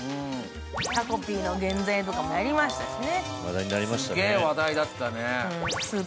「タコピーの原罪」とかもやりましたしね。